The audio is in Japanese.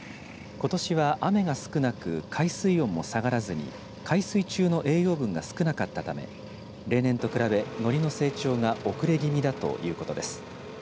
ことしは雨が少なく海水温も下がらずに海水中の栄養分が少なかったため例年と比べ、のりの成長が遅れ気味だということです。